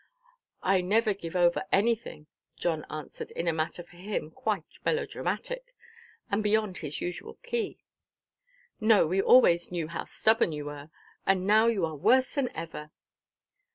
"I never give over anything," John answered, in a manner for him quite melodramatic, and beyond his usual key. "No. We always knew how stubborn you were. And now you are worse than ever."